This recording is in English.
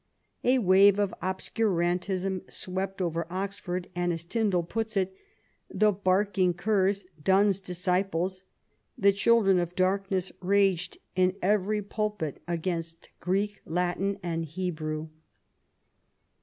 A wave of obscurantism swept over Oxford, and, as Tyndale puts it, " the barking curs. Dun's disciples, the children of dark ness, raged in every pulpit against Greek, Latin, and Hebrew."